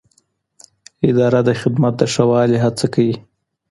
اداره د خدمت د ښه والي هڅه کوي.